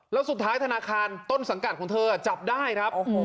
แล้วสุดท้ายธนาคารต้นสังกัดของเธอจับได้ครับ